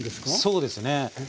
そうですね。